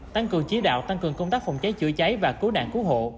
tăng cường chỉ đạo tăng cường công tác phòng cháy chữa cháy và cứu nạn cứu hộ